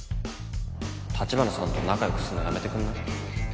立花さんと仲良くすんのやめてくんない？